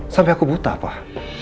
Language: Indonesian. sampai aku buta pak